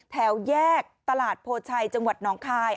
แถวแยกตลาดโพชัยจังหวัดน้องคาย